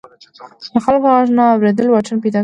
د خلکو غږ نه اوریدل واټن پیدا کوي.